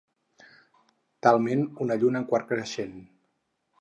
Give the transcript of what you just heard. Talment una lluna en quart creixent.